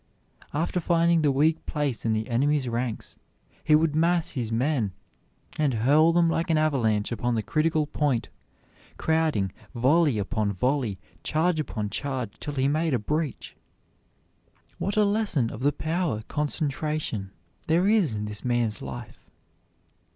After finding the weak place in the enemy's ranks, he would mass his men and hurl them like an avalanche upon the critical point, crowding volley upon volley, charge upon charge, till he made a breach. What a lesson of the power concentration there is in this man's life!